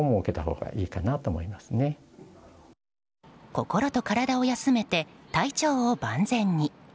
心と体を休めて体調を万全に。